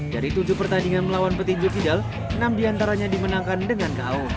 dari tujuh pertandingan melawan petinju fidal enam diantaranya dimenangkan dengan ko